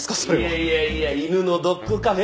いやいやいや犬のドッグカフェ？